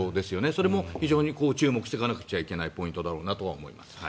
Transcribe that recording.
それも非常に注目していかなくちゃいけないポイントだろうなとは思います。